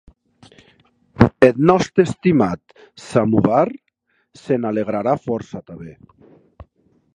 Eth nòste estimat samovar se n'alegrarà fòrça tanben.